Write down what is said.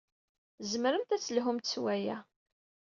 Tzemremt ad d-telhumt s waya.